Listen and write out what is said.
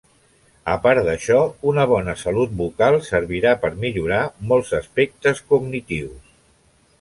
A part d'això, una bona salut bucal servirà per millorar molts aspectes cognitius.